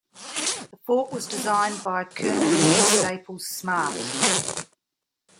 The fort was designed by Colonel Reuben Staples Smart.